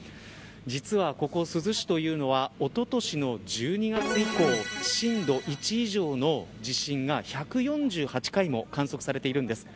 実は、ここ珠洲市というのはおととしの１２月以降震度１以上の地震が１４８回も観測されているんです。